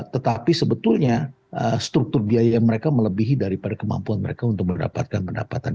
tetapi sebetulnya struktur biaya mereka melebihi daripada kemampuan mereka untuk mendapatkan pendapatan